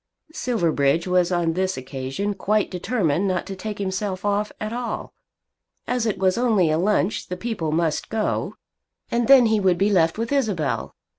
Silverbridge was on this occasion quite determined not to take himself off at all. As it was only a lunch the people must go, and then he would be left with Isabel.